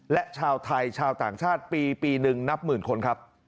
และชาวไทยชาวต่างชาติปีปีหนึ่งนับหมื่นคนครับ